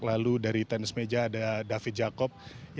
lalu dari tenis meja ada david jacob